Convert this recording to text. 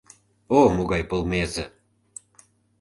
— О, могай полмезе!..